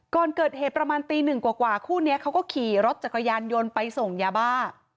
ก่อนเกิดเหตุประมาณตีหนึ่งกว่าคู่นี้เขาก็ขี่รถจักรยานยนต์ไปส่งยาบ้า